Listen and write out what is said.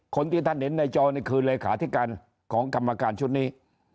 คนที่ท่านเห็นในจอนี่คือเลขาธิการของกรรมการชุดนี้